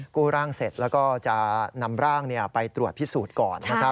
กู้ร่างเสร็จแล้วก็จะนำร่างไปตรวจพิสูจน์ก่อนนะครับ